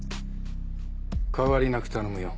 変わりなく頼むよ。